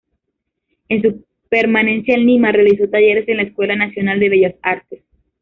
En su permanencia en Lima, realizó talleres en la Escuela Nacional de Bellas Artes.